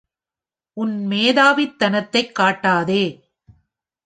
உன் மேதாவித்தனத்தை காட்டாதே!